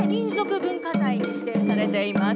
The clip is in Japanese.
文化財に指定されています。